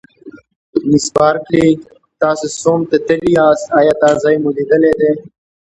مس بارکلي: تاسي سوم ته تللي یاست، ایا دا ځای مو لیدلی دی؟